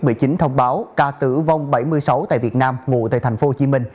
đã thông báo ca tử vong bảy mươi sáu tại việt nam